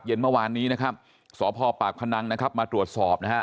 เมื่อวานนี้นะครับสพปากพนังนะครับมาตรวจสอบนะฮะ